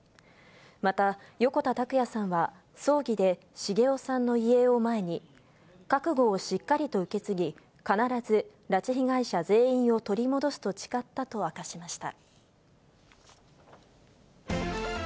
また、横田拓也さんは、葬儀で繁雄さんの遺影を前に、覚悟をしっかりと受け継ぎ、必ず拉致被害者全員を取り戻すと誓ったと明かしました。